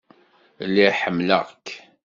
Lliɣ ḥemmleɣ-k.